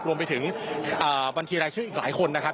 รวมไปถึงบัญชีรายชื่ออีกหลายคนนะครับ